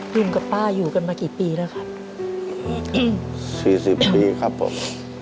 ลุงกับป้าอยู่กันมากี่ปีแล้วครับสี่สิบปีครับผม